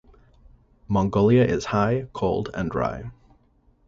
Mongolia is high, cold, and dry.